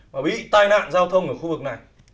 tạo ra các loại nạn giao thông ở khu vực này